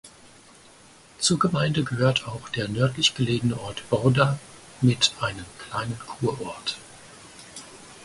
Zur Gemeinde gehört auch der nördlich gelegene Ort Borda mit einem kleinen Kurort.